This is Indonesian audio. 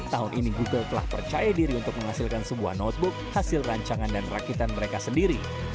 tahun ini google telah percaya diri untuk menghasilkan sebuah notebook hasil rancangan dan rakitan mereka sendiri